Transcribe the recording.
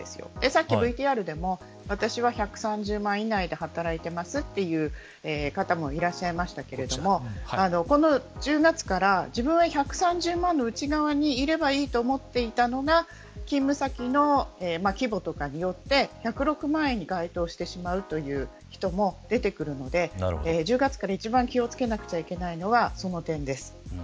先ほどのＶＴＲでも私は、１３０万円以内で働いています、という方もいらっしゃいましたけれどこの１０月から自分は１３０万の内側にいればいいと思っていたのが勤務先の規模とかによって１０６万円に該当してしまう人も出てくるので１０月から一番気を付けなければいけないのはその点です。